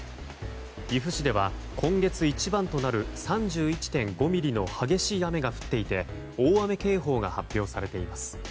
由布市では今月一番となる３１．５ミリの激しい雨が降っていて大雨警報が発表されています。